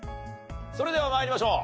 それでは参りましょう。